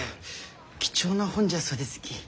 貴重な本じゃそうですき。